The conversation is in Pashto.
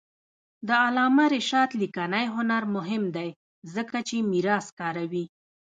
د علامه رشاد لیکنی هنر مهم دی ځکه چې میراث کاروي.